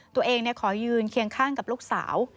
ตัวเองขอยืนเคียงข้างกับลูกสาว